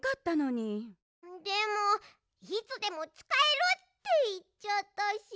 でも「いつでもつかえる」っていっちゃったし。